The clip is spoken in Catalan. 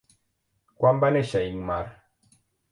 Quan va néixer Ingmar?